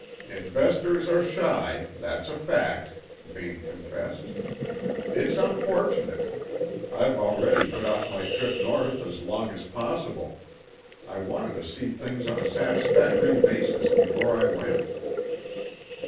"Investors are shy; that's a fact," Vane confessed. "It's unfortunate. I've already put off my trip north as long as possible; I wanted to see things on a satisfactory basis before I went."